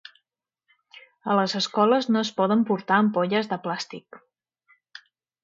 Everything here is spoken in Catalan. A les escoles no es poden portar ampolles de plàstic.